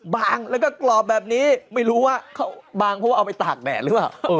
บางแล้วก็กรอบแบบนี้ไม่รู้ว่าเขาบางเพราะว่าเอาไปตากแดดหรือเปล่า